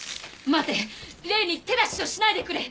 待て麗に手出しをしないでくれ！